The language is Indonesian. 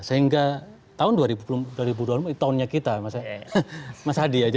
sehingga tahun dua ribu dua puluh empat itu tahunnya kita mas hadi aja